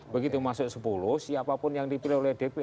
begitu masuk sepuluh siapapun yang dipilih oleh dpr sepuluh ini